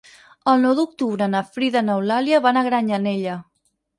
El nou d'octubre na Frida i n'Eulàlia van a Granyanella.